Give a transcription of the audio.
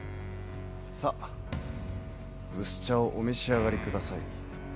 さあ薄茶をお召し上がりください。